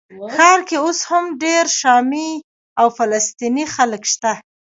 ښار کې اوس هم ډېر شامي او فلسطیني خلک شته.